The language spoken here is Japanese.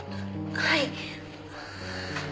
はい。